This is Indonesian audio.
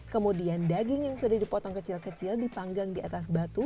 kemudian daging yang sudah dipotong kecil kecil dipanggang di atas batu